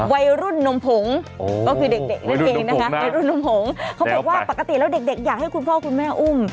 วัยรุ่นนมผงก็คือเด็กนั่นเองนะคะในรุ่นนมผงเขาบอกว่าปกติแล้วเด็กอยากให้คุณพ่อคุณแม่อุ้ม